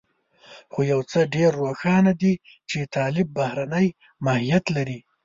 خو يو څه ډېر روښانه دي چې طالب بهرنی ماهيت لري.